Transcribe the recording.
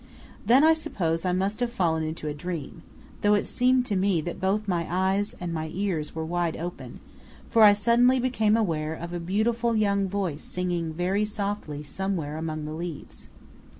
Then I suppose I must have fallen into a dream, though it seemed to me that both my eyes and my ears were wide open, for I suddenly became aware of a beautiful young voice singing very softly somewhere among the leaves.